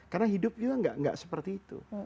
karena hidup itu tidak seperti itu